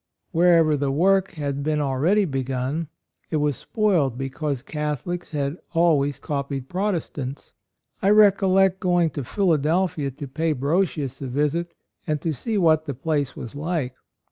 Wherever the work had been already begun, it was spoiled because Catholics had always copied Protestants. I recollect going to Philadelphia to pay Brosius a visit and to see what the place was like.